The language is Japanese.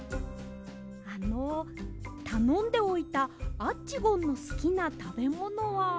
あのたのんでおいたアッチゴンのすきなたべものは。